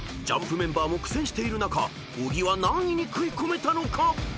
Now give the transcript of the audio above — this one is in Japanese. ［ＪＵＭＰメンバーも苦戦している中小木は何位に食い込めたのか］